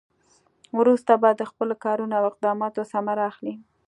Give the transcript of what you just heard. وروسته به د خپلو کارونو او اقداماتو ثمره اخلي.